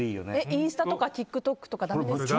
インスタとかＴｉｋＴｏｋとかだめですか？